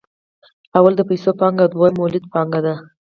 لومړی د پیسو پانګه او دویم مولده پانګه ده